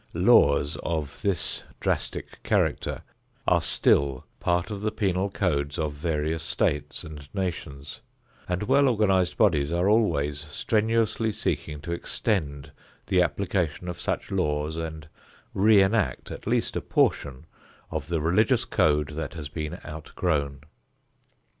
Laws of this drastic character are still part of the penal codes of various states and nations, and well organized bodies are always strenuously seeking to extend the application of such laws and re enact at least a portion of the religious code that has been outgrown.